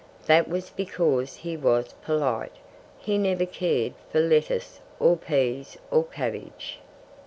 That was because he was polite. He never cared for lettuce, or peas, or cabbage.